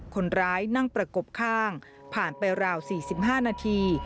คนร้ายนั่งประกบข้างผ่านไปราวสี่สิบห้านาที